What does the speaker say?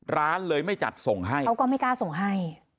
ร้านเลยไม่จัดส่งให้เขาก็ไม่กล้าส่งให้